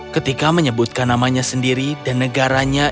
ketika menyebutkan namanya sendiri dan negaranya